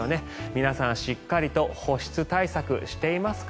皆さん、しっかりと保湿対策していますか？